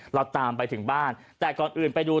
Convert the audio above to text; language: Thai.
เราตามไปถึงบ้านแต่ก่อนอื่นไปดู